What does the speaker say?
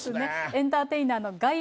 エンターテイナーのガイ